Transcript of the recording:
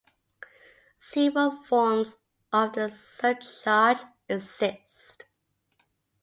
Several forms of the surcharge exist.